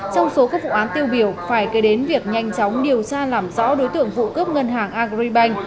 trong số các vụ án tiêu biểu phải kể đến việc nhanh chóng điều tra làm rõ đối tượng vụ cướp ngân hàng agribank